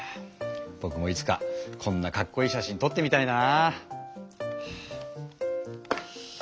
ぼくもいつかこんなかっこいい写真とってみたいな！